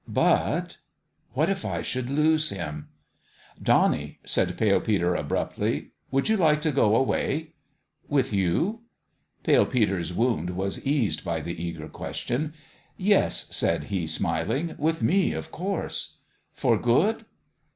But What if I should lose him f " Donnie," said Pale Peter, abruptly, " would you like to go away ?"" With you ?" Pale Peter's wound was eased by the eager question. " Yes," said he, smiling ;" with me, of course." " For good